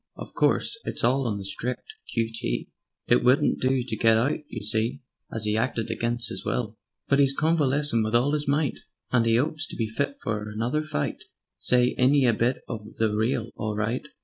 Of course it's all on the strict Q. T.; It wouldn't do to get out, you see, As 'e hacted against 'is will. But 'e's convalescin' wiv all 'is might, And 'e 'opes to be fit for another fight Say! Ain't 'e a bit of the real all right?